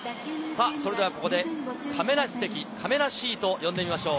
それではここで亀梨席、かめなシートを呼んでみましょう。